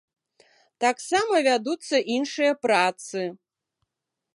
Таксама вядуцца іншыя працы.